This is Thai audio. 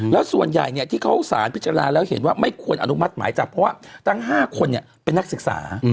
แล้วส่วนใหญ่ที่เขาสารพิจารณาแล้วเห็นว่าไม่ควรอนุมัติหมายจับเพราะว่าทั้ง๕คนเป็นนักศึกษา